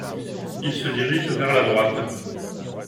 Il se dirige vers la droite.